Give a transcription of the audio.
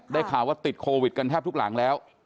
ข่าวว่าติดโควิดกันแทบทุกหลังแล้ว